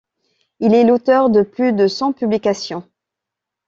Il est l’auteur de plus de cent publications.